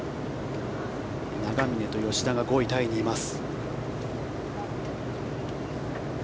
永峰と吉田が５位タイにいます。